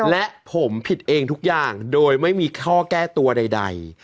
และผมผิดเองทุกอย่างโดยไม่มีข้อแก้ตัวใด